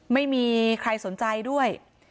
ไม่มีใครสนใจด้วย